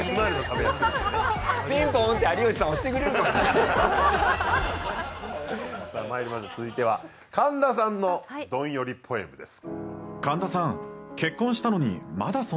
さあまいりましょう続いては神田さんのどんよりポエムです。